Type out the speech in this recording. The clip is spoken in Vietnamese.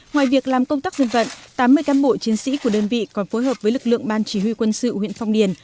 ngoài việc làm công tác dân vận tám mươi cán bộ chiến sĩ của đơn vị còn phối hợp với lực lượng ban chỉ huy quân sự huyện phong điền